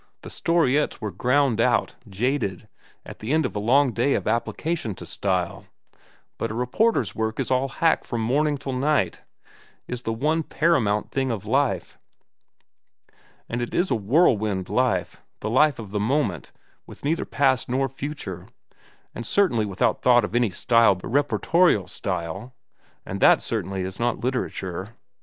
The storiettes were ground out, jaded, at the end of a long day of application to style. But a reporter's work is all hack from morning till night, is the one paramount thing of life. And it is a whirlwind life, the life of the moment, with neither past nor future, and certainly without thought of any style but reportorial style, and that certainly is not literature.